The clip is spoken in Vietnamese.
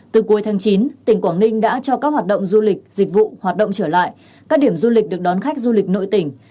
từ cuối tháng chín tỉnh quảng ninh đã cho các hoạt động du lịch dịch vụ hoạt động trở lại các điểm du lịch được đón khách du lịch nội tỉnh